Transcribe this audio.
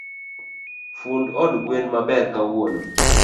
Fund od gwen maber kawuono.